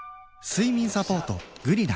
睡眠サポート「グリナ」